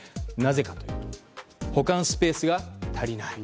なぜかというと保管スペースが足りない。